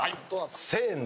せの。